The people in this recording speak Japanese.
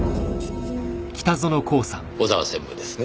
尾沢専務ですね。